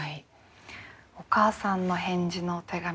お母さんの返事のお手紙